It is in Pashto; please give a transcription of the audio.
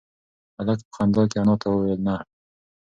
هلک په خندا کې انا ته وویل نه.